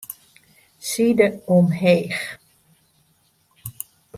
Side omheech.